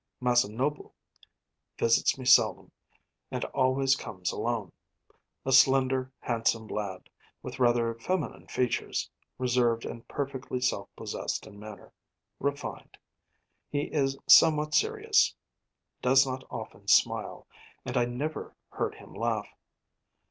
Masanobu visits me seldom and always comes alone. A slender, handsome lad, with rather feminine features, reserved and perfectly self possessed in manner, refined. He is somewhat serious, does not often smile; and I never heard him laugh.